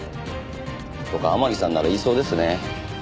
とか天樹さんなら言いそうですね。